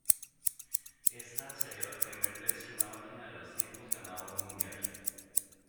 Esta sería la primera vez que una máquina de dos tiempos ganaba un Mundial.